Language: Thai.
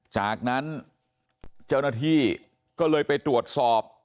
จากนั้นเจ้าหน้าที่ก็เลยไปตรวจสอบ